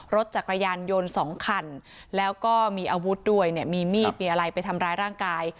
รถจักรยานยนต์๒คันแล้วก็มีอาวุธด้วยเนี่ยมีมีดมีอะไรไปทำร้ายร่างกาย